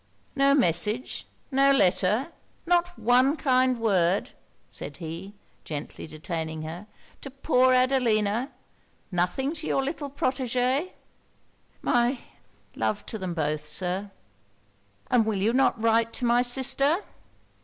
'No message no letter not one kind word,' said he, gently detaining her, 'to poor Adelina? Nothing to your little protegé?' 'My love to them both, Sir?' 'And will you not write to my sister?'